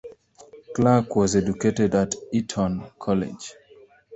Clark was educated at Eton College.